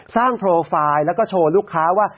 โปรไฟล์แล้วก็โชว์ลูกค้าว่า